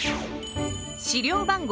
資料番号